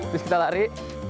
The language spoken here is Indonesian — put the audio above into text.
terus kita lari